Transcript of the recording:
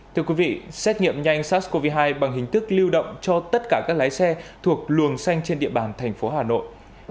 thưa quý vị xét nghiệm nhanh sars cov hai bằng hình thức lưu động cho tất cả các lái xe thuộc luồng xanh trên địa bàn thành phố hà nội